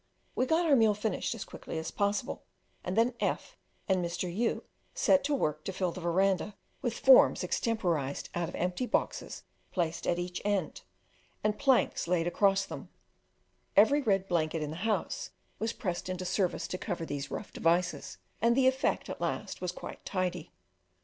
We got our meal finished as quickly as possible, and then F and Mr. U set to work to fill the verandah with forms extemporised out of empty boxes placed at each end, and planks laid across them; every red blanket in the house was pressed into service to cover these rough devices, and the effect at last was quite tidy.